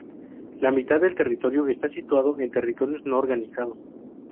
La mitad del territorio está situado en territorios no organizados.